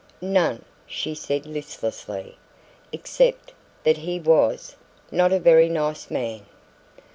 "None," she said listlessly, "except that he was not a very nice man."